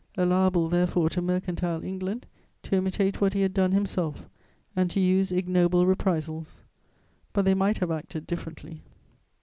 Allowable therefore to mercantile England to imitate what he had done himself, and to use ignoble reprisals; but they might have acted differently.